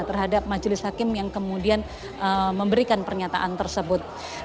terhadap majelis hakim yang kemudian memberikan pernyataan tersebut